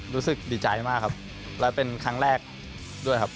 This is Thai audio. รู้สึกดีใจมากครับและเป็นครั้งแรกด้วยครับ